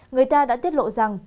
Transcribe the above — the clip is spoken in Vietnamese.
người ta đã tiết lộ rằng